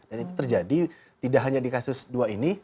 itu terjadi tidak hanya di kasus dua ini